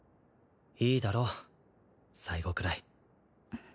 いいだろ最後くらい。